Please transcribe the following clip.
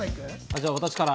じゃあ私から。